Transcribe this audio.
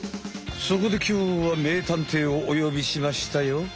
そこできょうは名探偵をおよびしましたよ！